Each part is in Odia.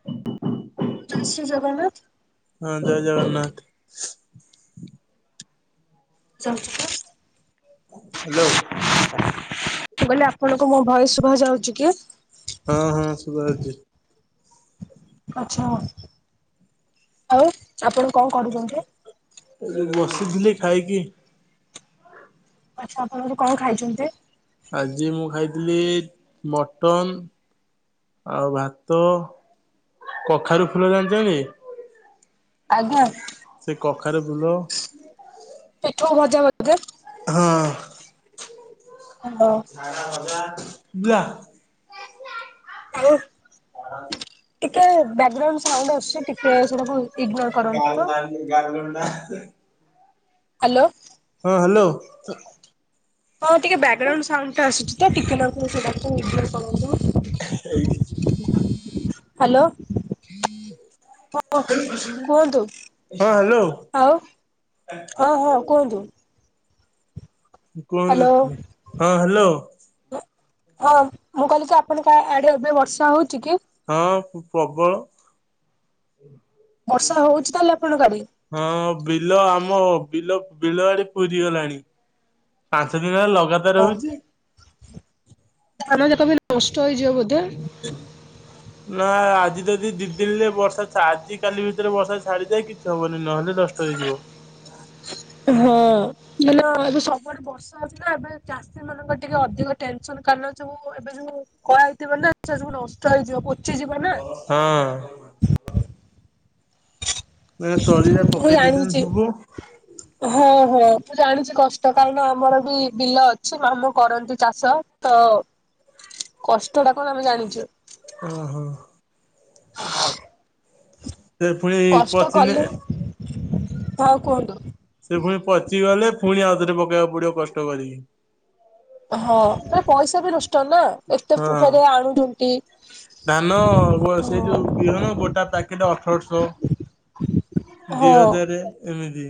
[inaudible] ଜୟ ଶ୍ରୀ ଜଗନ୍ନାଥ। ହଁ ଜୟ ଜଗନ୍ନାଥ। [unintelligible] ହ୍ୟାଲୋ। କଇଲି ଆପଣଙ୍କୁ ମୋ ଭୟେଶ୍ ଶୁଭା ଯାଉଚି କି? ହଁ ହଁ ଶୁଭାଯାଉଚି। ଆଛା ଆଉ ଆପଣ କଣ କରୁଚନ୍ତି? ଏଇ ବସିଥିଲି ଖାଇକି। ଆଚ୍ଛା ଆପଣଙ୍କୁ କଣ ଖାଇଚନ୍ତି? ଆଜି ମୁଁ ଖାଇଥିଲି ମଟନ୍ ଆଉ ଭାତ କଖାରୁ ଫୁଲ ଜାଣିଚନ୍ତି? ଆଜ୍ଞା। ସେ କଖାରୁ ଫୁଲ ପିଠ ଆଉ ଭଜା [unintelligible] ହଁ। [unintelligible] [unintelligible] ଆଉ [inaudible] ଟିକେ ବ୍ୟାକଗ୍ରାଉଣ୍ଡ ସାଉଣ୍ଡ ଆସୁଚି ଟିକେ ସେଟାକୁ ଇଗ୍ନୋର କରନ୍ତୁ ତ। [unintelligible] ହ୍ୟାଲୋ। ହଁ ହାଲୋ। [inaudible] ହଁ ଟିକେ ବ୍ୟାକଗ୍ରାଉଣ୍ଡ ସାଉଣ୍ଡ ଟା ଆସୁଚି ତ ଟିକେ ନାକୁ ସେଟାକୁ ଇଗ୍ନୋର କରନ୍ତୁ। [inaudible] ହ୍ୟାଲୋ ହଁ ହଁ କୁହନ୍ତୁ। ହ୍ୟାଲୋ। ଆଉ ହଁ ହଁ କୁହନ୍ତୁ। କୁହନ୍ତୁ ହ୍ୟାଲୋ ହଁ ହ୍ୟାଲୋ। ହଁ ମୁଁ କହିଲି କି ଆପଣଙ୍କ ଆଡେ ଏବେ ବର୍ଷା ହଉଚି କି? ହଁ ପ୍ରବଳ। ବର୍ଷା ହଉଛି ତାହେଲେ ଆପଣଙ୍କ ଆଡେ? ହଁ ବିଲ ଆମ ବିଲ ବିଲ ଆଡି ପୁରି ଗଲାଣି। ପାଞ୍ଚ ଦିନ ହେଲା ଲଗା ଓ [unintelligible] ଆମ କମ ନଷ୍ଟ ହୋଇଯିବ ବୋଧେ? ନା ଆଜି ଯଦି ଦି ଦିନରେ ବର୍ଷା ଆଜି କାଲି ଭିତରେ ବର୍ଷା ଛାଡିଯାଏ କି ଛି ହବନି ନହେଲେ ନଷ୍ଟ ହେଇଯିବ। ହଁ ହେଲେ ଏବେ ସବୁଡେ ବର୍ଷା ଆଥିଲା ଏବେ ଚାଷ ସେମାନଙ୍କ ଟିକେ ଅଧିକ ଟେନସନ କାଣ ଯୋଉ ଏବେ ଯୋଉ କହଇଥିବ ନା ସେ ସବୁ ନଷ୍ଟ ହେଇଯିବ। ପଚି ଯିବ ନା। ହଁ। ମାନେ ତଳିରା ମୁଁ ପକେଇ ଦେଇଛନ୍ତି ଜାଣିଛି। ସବୁ। ହଁ ହଁ ମୁଁ ଜାଣିଛି କଷ୍ଟ କାଇଁକି ନା ଆମର ବି ବିଲ ଅ ଛି ମାମୁଁ କରନ୍ତି ଚାଷ ତ କଷ୍ଟ ଟା କଣ ଆମେ ଜାଣିଛୁ। ଓହୋ। ସେ ପୁଣି କଷ୍ଟ ପଚିଲେ କଲୁ ହଉ କୁହନ୍ତୁ? ସେ ପୁଣି ପଚି ଗଲେ ପୁଣି ଆଉଥରେ ପକେଇବାକୁ ପଡିବ କଷ୍ଟ କରିକି। ହଁ ମ ପଇସା ବି ନଷ୍ଟ ନା ଏତେ ହଁ ଫରେ ଆଣୁଚନ୍ତି। ଧାନ ସେ ଯୋଉ ବିହନ ଗୋଟା ପ୍ୟାକେଟ ଅଠରଶହ। ଦି ହଁ ହଜାର ଏମିତି।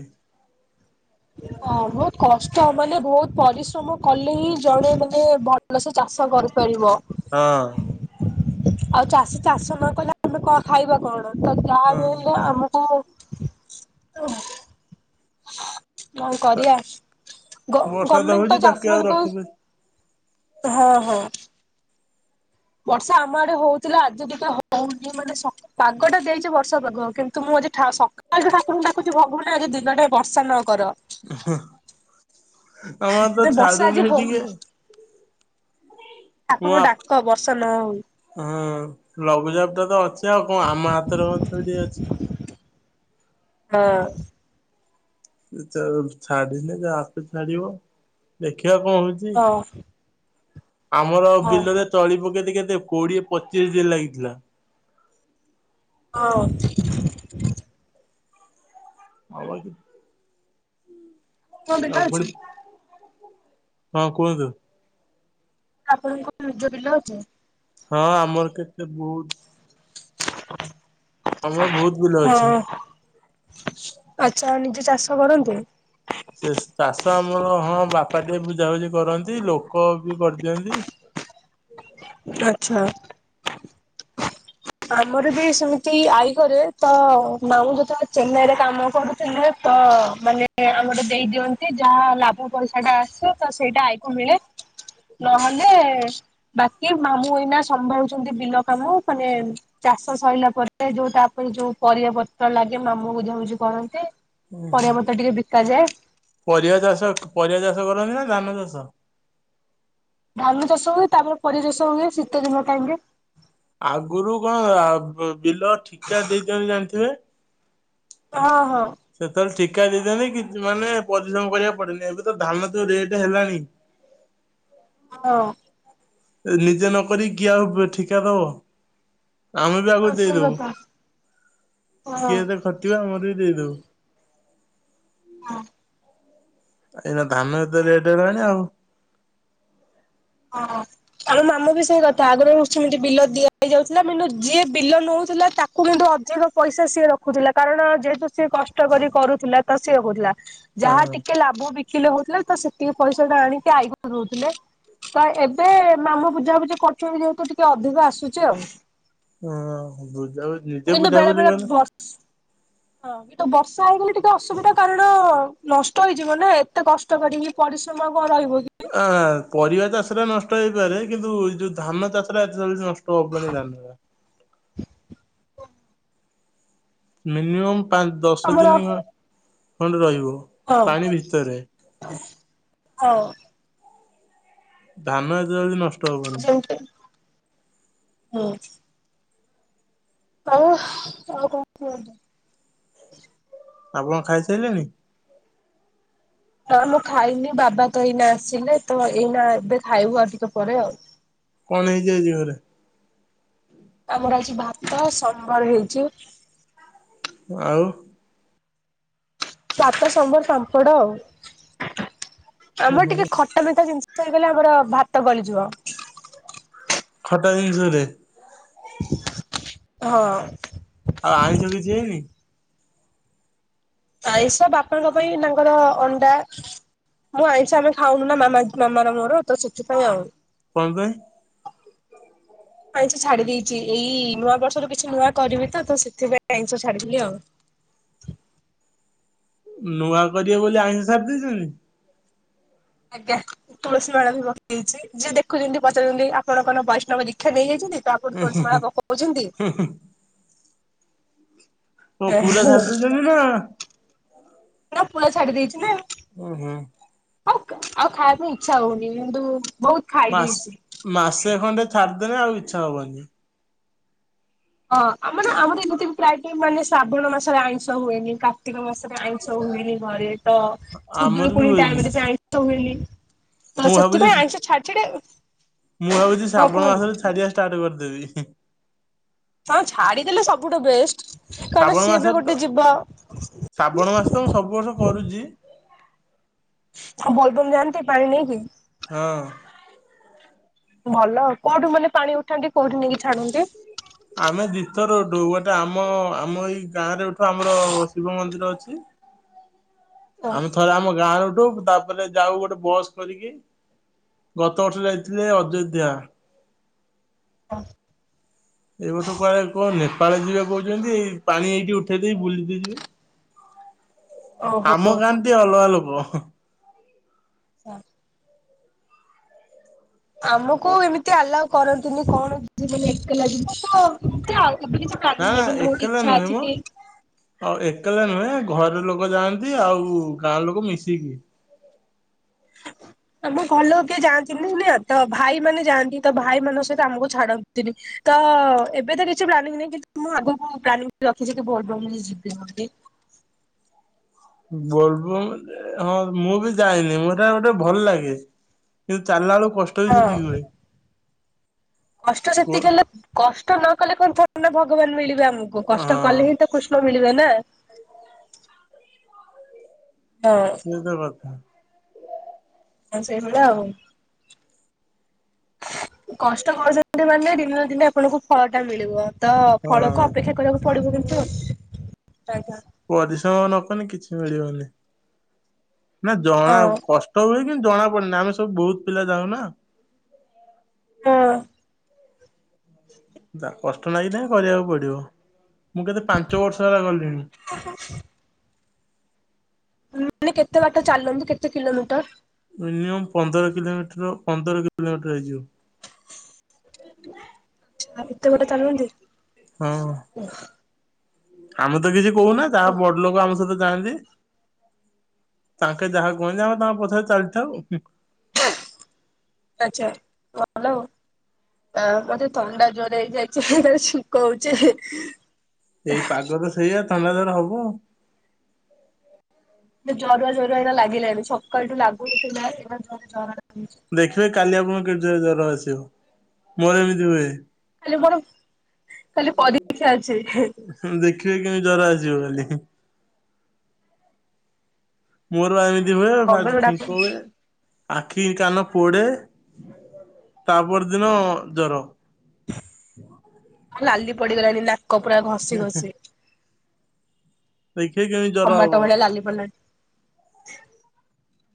ହଁ ବହୁତ କଷ୍ଟ ମାନେ ବହୁତ ପରିଶ୍ରମ କଲେ ହିଁ ଜଣେ ମାନେ ଭ ଲ ସେ ଚାଷ କରିପାରିବ। ହଁ। ଆଉ ଚାଷୀ ଚାଷ ନ କଲେ ଆମେ କଣ ଖାଇବା କଣ? ତ ହଁ। ଯାହାବି ହେଲେ ଆମକୁ କଁ କରିବା? ଗ ବର୍ଷା ଗମେଣ୍ଟ ହଉଛି ତ ତାକୁ ଚାଷୀ ଆଉ ମାନଙ୍କୁ ରଖିବେ ହଁ ହଁ। ବର୍ଷା ଆମ ଆଡେ ହଉଥିଲା ଆଜି ଟିକେ ହଉନି ମାନେ ସକା ପାଗଟା ଦେଇଛି ବର୍ଷା ପାଗ କିନ୍ତୁ ମୁଁ ଆଜି ଠା ସକାଳୁଠୁ ଠାକୁଙ୍କୁ ଡାକୁଚଛି ଭଗବାନ ଆଜି ଦିନଟା ବର୍ଷା ନ କର। ଆମର ତ ଏ ବର୍ଷା ଆଜି ଛାଡ଼ୁନି ଟିକେ। ହଉନି ଠାକୁରଙ୍କୁ ମୁଁ ଡାକ ବର୍ଷା ନ ହଉ। ହଁ ଲଘୁଚାପ ଟା ତ ଅଛି ଆଉ କଣ ଆମ ହାତରେ ମଧ୍ୟ କଣ ଥୋଡ଼ି ଅଛି। ହଁ। ଛାଡିିନେ ଯ ଆପେ ଛାଡିବ ଦେଖିବା କଣ ହଉଛି? ହଁ। ଆମର ହଁ ବିଲରେ ହଁ ତଳି ପକେଇଦେ କେତେ କୋଡିଏ ପଚିଶ ଦିନ ଲାଗିଥିଲା। ହଁ। [unintelligible] ଆପଣଙ୍କ ବିଲ ଆଉ ପୁଣି, ଅଛି ହଁ କୁହନ୍ତୁ। ଆପଣଙ୍କ ନିଜ ବିଲ ଅଛି? ହଁ ଆମର କେତେ ବହୁତ [inaudible] ଆମର ବହୁତ ବିଲ ଅଛି। ଆଛା ନିଜେ ଚାଷ କରନ୍ତି? ସେ ଚାଷ ଆମର ହଁ ବାପା ଟିକେ ବୁଝାବୁଝି କରନ୍ତି ଲୋକ ବି କରିଦିଅନ୍ତି। ଆଛା। ଆମର ବି ସେମିତି ଆଈ କରେ ତ ମାମୁଁ ଯେତେବେଳେ ଚେନ୍ନାଇରେ କାମ କରୁଥିଲେ ତ ମାନେ ଆମରେ ଦେଇ ଦିଅନ୍ତି ଯାହା ଲାଭ ପଇସା ଟା ଆସେ ତ ସେଇଟା ଆଈକୁ ମିଳେ। [inaudible] ନହେଲେ ବାକି ମାମୁଁ ଏଇନା ସମ୍ଭାଳୁଛନ୍ତି ବିଲ କାମ ମାନେ ଚାଷ ସରିଲା ପରେ ଯୋଉ ତାପରେ ଯୋଉ ପରିବା ପତ୍ର ଲାଗେ ମାମୁ ବୁଝାବୁଝି କରନ୍ତି। ପରିବା ପତ୍ର ଟିକେ ବିକାଯାଏ। ପରିବା ଚାଷ ପରିବା ଚାଷ କରନ୍ତି ନା ଧାନ ଚାଷ? ଧାନ ଚାଷ ହୁଏ ତାପରେ ପରିବା ଚାଷ ହୁଏ ଶୀତ ଦିନ ଟାଇମରେ। ଆଗରୁ କଣ ବିଲ ଠିକା ଦେଇଦିଅନ୍ତି ଜାଣିଥିବେ? ହଁ ହଁ। ସେତେବେଳେ ଠିକା ଦେଇଦିଅନ୍ତି କି ମାନେ ପରିଶ୍ରମ କରିବାକୁ ପଡେନି ଏବେ ତ ଧାନ ତ ରେଟ ହେଲାଣି। ହଁ। ନିଜେ ନ ନରି କିଏ ଆଉ ଠିକା ଦବ ଆମେ ବି ଆଗକୁ ସେଇ ଦେଇଦବୁ। କଥା ହଁ। କିଏ ଏତେ ଖଟିବ ଆମର ବି ଦେଇଦଉ। ଏନା ଧାନ ଏତେ ରେଟ ହେଲାଣି ଆଉ। ହ ଆଉ ମାମୁଁ ବି ସେଇ କଥା ଆଗରୁ ସେମିତି ବିଲ ଦିଆହୁଏ। ଯାଉଥିଲା କିନ୍ତୁ ଯିଏ ବିଲ ନଉଥିଲା ତାକୁ କିନ୍ତୁ ଅଧିକ ପଇସା ସିଏ ରଖୁଥିଲା କାରଣ ଯେହେତୁ ସିଏ କଷ୍ଟ କଷ୍ଟ କରି କରୁଥିଲା ତ ସିଏ ହଉଥିଲା। ଯାହା ହଁ। ଟିକେ ଲାଭ ବିକିଲେ ହଉଥିଲେ ତ ସେତିକି ପଇସା ଟା ଆଣିକି ଆଇ ଘରୁ ରହୁଥିଲେ। ତ ଏବେ ମାମୁଁ ବୁଝାବୁଝି କରୁଛନ୍ତି ଯେହେତୁ ଟିକେ ଅଧିକ ଆସୁଛି ଆଉ। ହଁ ବୁଝା ବୁଝି କିଏ କିନ୍ତୁ ବୁଝା ବେଳେ ବୁଝି ବେଳେ କରେ ହଁ ତ ବର୍ଷା ହେଇଗଲେ ଟିକେ ଅସୁବିଧା କାରଣ ନଷ୍ଟ ହେଇଯିବ ନା ଏତେ କଷ୍ଟ କରିକି ପରିଶ୍ରମ ଆଉ କଅ ରହିବ କି ଆ ପରିବା ଚାଷ ଟା ନଷ୍ଟ ହେଇପାରେ କିନ୍ତୁ ଯଉ ଧାନ ଚାଷଟା ଏତେ ଜଲ୍ଦି ନଷ୍ଟ [inaudible] ମିନିମମ୍ ପାଞ୍ଚ ଦଶ ଆମର ଦିନ ଖଣ୍ଡେ ରହିବ। ହଁ ପାଣି ଭିତରେ ହଉ। ଧାନ ଏତେ ଜଲ୍ଦି ନଷ୍ଟ ହବନି ସେଇଠି ହୁଁ ହଉ ଆଉ କଣ କୁହନ୍ତୁ? ଆପଣ ଖାଇସାରିଲେଣି? ହଁ ମୁଁ ଖାଇନି ବାବା ତ ଏଇନା ଆସିଲେ ତ ଏଇନା ଏବେ ଖାଇବୁ ଆଉ ଟିକେ ପରେ ଆଉ। କଣ ହେଇଛି ଆଜି ଘରେ? ଆମର ଅଛି ଭାତ ଶମ୍ୱର ହେଇଛି। ଆଉ? ସାତ ଶମ୍ୱର୍ ପାମ୍ପଡ ଆଉ ଆମର ଟିକେ ଖ ତମେ ତା ଜିନିଷ ଥୋଇଗଲେ ଆମର ଭାତ ଗଳିଯିବ। ଖଟା ହଁ। ଆଉ ଆଇସ କିଛି ହେଇନି? ଆାଇସ ବାପାଙ୍କ ପାଇଁ ତାଙ୍କର ଅଣ୍ଡା ମୁଁ ଆଇସ ଆମେ ଖାଉନୁ ନା ମାମା ମାମା ମୋର ତ ସେଥିପାଇଁ ଆଉ। କଣ ପାଇଁ? [inaudible] ମୁଁ ଆଇସ ଛାଡି ଦେଇଛି ଏଇ ନୂଆ ବର୍ଷରୁ କିଛି ନୂଆ କରିବି ତ ତ ସେଥିପାଇଁ ଆଇସ ଛାଡିଦେଲି ଆଉ। ନୂଆ କରିବେ ବୋଲି ଆଇସ ସାରି ଦେଇଛନ୍ତି? ଆଜ୍ଞା। ତୁଳସୀ ମାଳା ବି ପକେଇଛି ଯିଏ ଦେଖୁଛନ୍ତି ପଚାରୁଛନ୍ତି ଆପଣ କଣ ବୈଷ୍ଣବ ଦୀକ୍ଷା ନେଇଯାଇଛନ୍ତି ତ ତୁଳସୀ ମାଳ ପକଉଛନ୍ତି? ଓ ପୁରା ସାରଛନ୍ତି ନା? ନା ପୁରା ଛାଡ଼ି ଦେଇଛି ନା ଓ ହୋ -ହଉ ଆଉ ଖାଇବାକୁ ଇଚ୍ଛା ହଉନି କିନ୍ତୁ ବହୁତ- ଖାଇ ମାସ୍ ଦେଇଛି। ମାସେ ଖଣ୍ଡେ ଛାଡିଦେଲେ ଆଉ ଇଚ୍ଛା ହବନି। -ହଁ ଆମର ଆମର ଏମିତିବି ପ୍ରାୟ ଟାଇମ ମାନେ ଶ୍ରାବଣ ମାସରେ ଆଇଁଷ ହୁଏନି କା- କାର୍ତ୍ତୀକ ମାସରେ ଆଇଁଷ ହୁଏନି ଘରେ ତ ଆମର ବି ଖୁଦରୁକୁଣି ହୁଏନି ଟାଇମରେ ବି ଆଇଁଷ ହୁଏନି। -ହଁ ମୁଁ ଭାବୁଛି ସେଥିପାଇଁ ଆଇଁଷ ଛାଡ ଛାଡେ- ମୁଁ ଭାବୁଛି ଶ୍ରାବଣ ମାସ ରୁ ଛାଡିବା ଷ୍ଟାର୍ଟ କରିଦେବି। ହଁ ଛାଡିଦେଲେ ସବୁଠୁ ବେଷ୍ଟ। କାରଣ ଶ୍ରାବଣ ସିଏ ବି ମାସରେ ଗୋଟେ ତ ଯିବ ଶ୍ରାବଣ ମାସ ତ ମୁଁ ସବୁ ବର୍ଷ କରୁଛି। ବୋଲବମ ଜାନ୍ତି ପାଣି ନେଇକି? ହଁ ଭଲଆଉ କୋଉଠୁ ମାନେ ପାଣି ଉଠାନ୍ତି କୋଉଠି ନେଇକି ଛାଡନ୍ତି। ଆମେ ଦିଥର ଉଠୋଉ। ଗୋଟେ ଆମ ଆମ ଏଇ ଗାଁ ରେ ଏଠୁ ଆମର ଶିବ ମନ୍ଦିର ଅଛି। [unintelligible] -ଆମେ ଥରେ ଆମ ଗାଁରୁ ଉଠୋଉ ତା- ତାପରେ ଯାଉ ଗୋଟେ ବସ୍ କରିକି [inaudible] ଗତ ବର୍ଷ ଯାଇଥିଲେ ଅଯୋଧ୍ୟା। ହଁ [inaudible] ଏ ବର୍ଷ କୁଆଡେ କଣ ନେପାଳ ଯିବେ କହୁଛନ୍ତି। ପାଣି ଏଇଠି ଉଠେଇ ଦେଇକି ବୁଲିତେ ଯିବେ। [inaudible] ଓହୋ ଆମ କାନ୍ତି ଅଲଗା ଲବ [inaudible] ହ [inaudible] -ଆମକୁ ଏମିତି ଆଲାଉ କରନ୍ତୁନି କୌଣସି ପିଲାବି ଏକେଲା ଯିବ ତ ଗ୍ରୁପରେ ଆଉ ସେମିତିକିଛି- ନା ନା -କାନ୍ଦିଲେ ବି ବହୁତ ଏକଲା ଇଚ୍ଛା ନୁହେଁ ମ। ଅଛି କି- ଆଉ ଏକଲା ନୁହେଁ ଘର ଲୋକ ଯାଆନ୍ତି ଆଉ ଗାଁ ଲୋକ ମିଶିକି। ହଁ [inaudible] ଆମ ଘରଲୋକ କିଏ ଯାଆନ୍ତିନି ନା ତ ଭାଇ ମାନେ ଯାଆନ୍ତି। ତ ଭାଇ ମାନଙ୍କ ସହିତ ଆମକୁ ଛାଡନ୍ତିନି। ତ ଏବେ ତ କିଛି ପ୍ଲାନିଂ ନାହିଁ। କିନ୍ତୁ ମୁଁ ଆଗକୁ ପ୍ଲାନିଂ ରଖିଛି କି ବୋଲବମ ଯିବି ବୋଲି। ବୋଲବମ ଯେ ହଁ ମୁଁ ବି ଯାଇନି ଏଇଟା ଗୋଟେ ଭଲ ଲାଗେ। କିନ୍ତୁ ଚାଲିଲା ବେଳକୁ କଷ୍ଟ ବି ହଁ ସେତିକି ହୁଏ। -କଷ୍ଟ କୁହ ସେତିକି ହେଲେ କଷ୍ଟ ନ କଲେ କଣ ଥରେନା ଭଗବାନ ମିଳିବେ ଆମକୁ କଷ୍ଟ ହଁ କଲେ ହିଁ ତ- କୃଷ୍ଣ ମିଳିବେ ନା। ହଁ ସେ ବାଥା [inaudible] ହଁ ସେଇଭଳିଆ ଆଉ। କଷ୍ଟ କରିଛନ୍ତି ମାନେ ଦିନେ ଦିନେ ଆପଣଙ୍କୁ ଫଳ ଟା ମିଳିବ। ତ ହଁ ଫଳକୁ ଅପେକ୍ଷା କରିବାକୁ ପଡିବ କିନ୍ତୁ ଆଉ ଆଜ୍ଞା। -ପରିଶ୍ରମ ନକଲେ କିଛି ମିଳିବନି ନା ଜଣା ହଁ କଷ୍ଟ- କଷ୍ଟହୁଏ କିନ୍ତୁ ଜଣାପଡେନା ଆମେ ସବୁ ବହୁତ ପିଲା ଯାଉ ନା। ହଁ [inaudible] ଦା କଷ୍ଟ ନାଗିନେ ବି କରିବାକୁ ପଡିବ। ମୁଁ କେତେ ପାଞ୍ଚ ବର୍ଷ ହେଲା ଗଲିଣି। ଆହା ମାନେ କେତେ ବାଟ ଚାଲନ୍ତୁ? କେତେ କିଲୋମିଟର? ମିନିମମ୍ ପନ୍ଦର କିଲୋମିଟର, ପନ୍ଦର କିଲୋମିଟର ହେଇଯିବ। ଆଉରି ଏତେ ବାଟ ଚାଲନ୍ତି ହଁ [inaudible] ଓ ଆମେ ତ କିଛି କହୁନା ଯାହା ବଡ ଲୋକ ଆମ ସହିତ ଯାଆନ୍ତି। ତାଙ୍କେ ଯାହା କୁହନ୍ତି ଆମେ ତାଙ୍କ ପଛରେ ଚାଲିଥାଉ। [inaudible] ଆ ମୋତେ ଥଣ୍ଡା ଜୋର ହେଇଯାଇଛି। ଖାଲି ଛିଙ୍କ ହୋଉଛି। ଏଇ ପାଗ ତ ସେଇଆ ଥଣ୍ଡା ଜର ହବ। ନା ଜରୁଆ ଜରୁଆ ଏଇନା ଲାଗିଲାଣିି ସକାଳଠୁ ଲାଗୁନଥିଲା। ଏଇଖୁଁଣା ଜରୁଆ ଜରୁଆ ଲାଗିଲାଣି। ଦେଖିବେ କାଲି ଆପଣଙ୍କୁ କେତେ ଜୋର ଜର ଆସିବ। ମୋର ଏମିତି ହୁଏ। କାଲି ମୋର କାଲି ପରୀକ୍ଷା ଅଛି। ହିଁ, ଦେଖିବେ କେମିତି ଜର ଆସିବ କାଲି। ମୋର ବା ଏମିତି ହୁଏ। ମଙ୍ଗଳ ଫାଷ୍ଟ ଛିଙ୍କ ଡାକୁଚି ହୁଏ। ଆଖି କାନ ପୋଡେ ତାପର୍ ଦିନ ଜର। ନାଲି ପଡିଗଲାଣି ନାକ ପୁରା ଘଷି-ଘଷି। ଦେଖେ କେମି ଟମାଟ ଭଳିଆ ଲାଲି ପଲାଣି।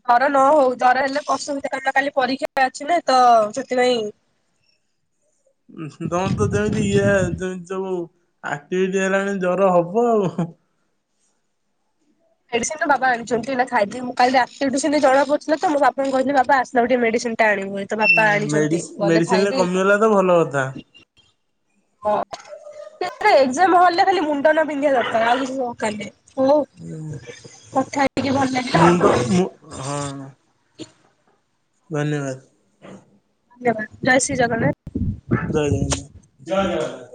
ହର ନ ହଉ ଜର ହେଲେ ପସନ୍ତି କା କାଲି ପରୀକ୍ଷା ଅଛି ନା ତ ସେଥିପାଇଁ। ଉଁ ହୁଁ ତମର ତ ଯେମିତି ଇଏ ଯେମିତି ସବୁ ଆକ୍ଟିଭିଟି ହେଲାଣି ଜର ହବ ଆଉ। ମେଡିସିନ୍ ତ ବାବା ଆଣିଚନ୍ତି ଏଇନା ଖାଇବି ମୁଁ କାଲି ରାତି ଟୁ ଜଣାପୋଥିଲା ତୋ ମୁଁ ବାପାଙ୍କୁ କହିଥିଲି ବାବା ଆସିଲା ଟିକେ ମେଡିସିନଟା ଆଣିବ। ତ ବାପା ଆଣିଛନ୍ତି ଗଲେ ଖାଇବି। ଗଲା ତ ଭଲ କଥା। ହଁ ଏକ୍ଜାମ୍ ହଲରେ ଖାଲି ମୁଣ୍ଡ ନ ପିନ୍ଧିବା ଦରକାର ଆଉ କିଛି ଦରକାର ନାହିଁ। ହଉ କଥା ହେଇକି ଭଲ ଲା ମୁଣ୍ଡ ମୁ ହଁ। ଧନ୍ୟବାଦ୍। ଧନ୍ୟବାଦ୍‌ ଜୟ ଶ୍ରୀ ଜଗନ୍ନାଥ୍। ଜୟ ଜଗନ୍ନାଥ ଜୟ ଜଗନ୍ନାଥ।